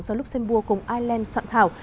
do luxembourg cùng ireland soạn thảo